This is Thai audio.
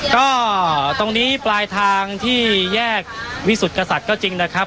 ก็ตรงนี้ปลายทางที่แยกวิสุทธิ์กษัตริย์ก็จริงนะครับ